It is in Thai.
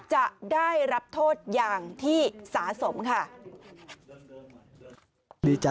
จะได้รับโทษอย่างที่สะสมค่ะ